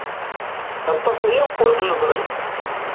Aṭas aya ur k-neẓri.